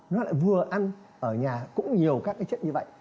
nó lại vừa ăn ở nhà cũng nhiều các cái chất như vậy